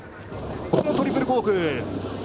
ここもトリプルコーク！